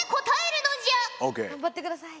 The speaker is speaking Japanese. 頑張ってください。